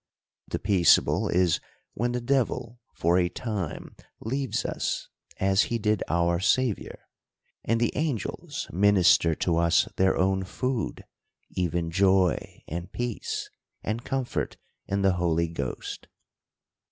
The peaceable is, when the devil for a time 76 THE COUNTRY PARSON. leaves us, as he did our Saviour, and the angels minister to us their own food, even joy, and peace, and comfort in the Holy Ghost.